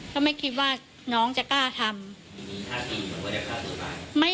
ก็ไม่คิดว่าน้องจะกล้าทำ